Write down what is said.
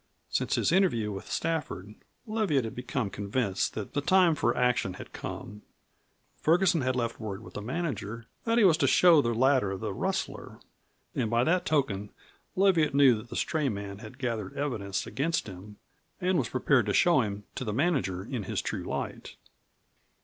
Since his interview with Stafford, Leviatt had become convinced that the time for action had come. Ferguson had left word with the manager that he was to show the latter the rustler, and by that token Leviatt knew that the stray man had gathered evidence against him and was prepared to show him to the manager in his true light.